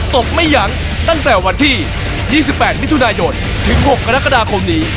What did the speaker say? ตกไม่ยั้งตั้งแต่วันที่๒๘มิถุนายนถึง๖กรกฎาคมนี้